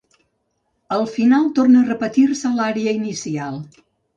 Al final torna a repetir-se l'ària inicial.